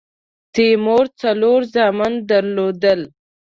تیمور څلور زامن درلودل.